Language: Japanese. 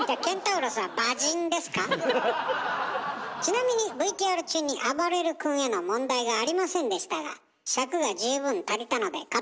ちなみにＶＴＲ中にあばれる君への問題がありませんでしたが尺が十分足りたのでカットしました。